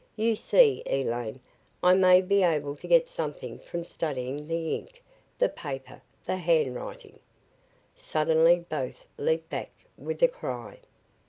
"You see, Elaine, I may be able to get something from studying the ink, the paper, the handwriting " Suddenly both leaped back, with a cry.